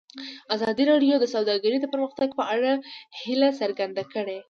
ازادي راډیو د سوداګري د پرمختګ په اړه هیله څرګنده کړې.